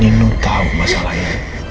nino tahu masalahnya